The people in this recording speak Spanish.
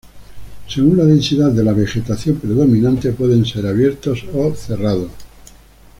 Según la densidad de la vegetación predominante, pueden ser abiertos o cerrados.